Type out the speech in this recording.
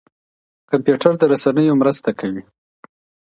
کمپيوټر د رسنيو مرسته کوي.